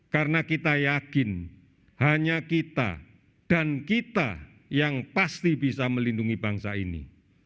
karena kita yakin hanya kita dan kita yang pasti bisa melindungi bangsa ini